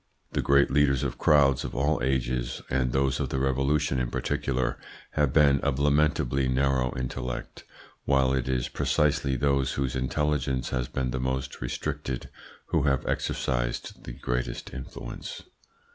The great leaders of crowds of all ages, and those of the Revolution in particular, have been of lamentably narrow intellect; while it is precisely those whose intelligence has been the most restricted who have exercised the greatest influence.